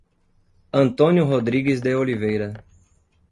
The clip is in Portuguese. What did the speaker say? Antônio Rodrigues de Oliveira